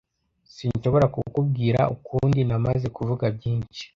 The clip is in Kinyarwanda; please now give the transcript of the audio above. Sinshobora kukubwira ukundi, namaze kuvuga byinshi.